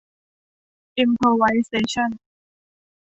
อิมโพรไวเซชั่น